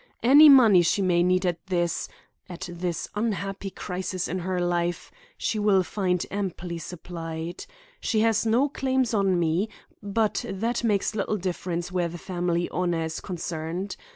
Any money she may need at this—at this unhappy crisis in her life, she will find amply supplied. She has no claims on me, but that makes little difference where the family honor is concerned.